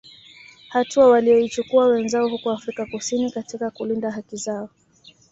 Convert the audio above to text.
Hatua walioichukua wenzao huko Afrika kusini katika kulinda haki zao